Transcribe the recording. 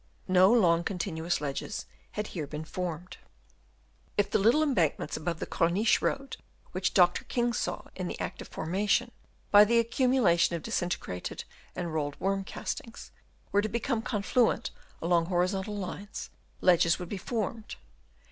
No long con tinuous ledges had here been formed. If the little embankments above the Cor niche road, which Dr. King saw in the act of formation by the accumulation of dis integrated and rolled worm castings, were to become confluent along horizontal lines, ledges would be formed.